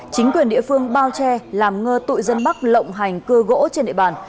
chính quyền địa phương bao che làm ngơ tội dân bắc lộng hành cưa gỗ trên địa bàn